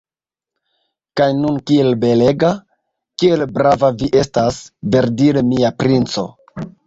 Kaj nun kiel belega, kiel brava vi estas, verdire, mia princo!